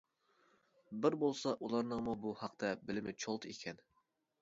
بىر بولسا ئۇلارنىڭمۇ بۇ ھەقتە بىلىمى چولتا ئىكەن.